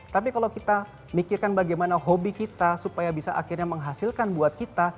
tapi kalau kita mikirkan bagaimana hobi kita supaya bisa akhirnya menghasilkan buat kita